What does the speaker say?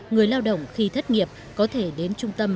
người lao động khi thất nghiệp có thể đến trung tâm